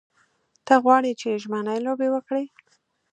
ته غواړې چې ژمنۍ لوبې وکړې.